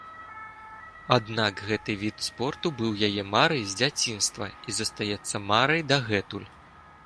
Аднак гэты від спорту быў яе марай з дзяцінства і застаецца марай дагэтуль.